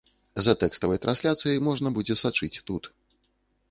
За тэкставай трансляцыяй можна будзе сачыць тут.